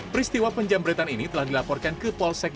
peristiwa penjambretan ini telah dilaporkan ke polsek